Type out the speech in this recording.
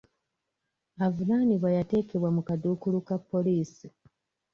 Avunaanibwa yateekebwa mu kaduukulu ka poliisi.